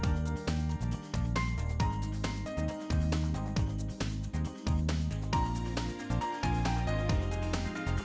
menghiasan utama hfeed out ini adalah amino mudanya ikut dari rotan ada tender of theshiqis yang dat lena slash hutka ini ini